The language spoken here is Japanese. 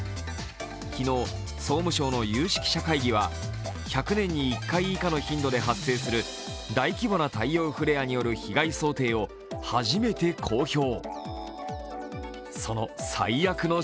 昨日、総務省の有識者会議は１００年に１回以下の頻度で発生する大規模な太陽フレアによる被害想定を初めて公表。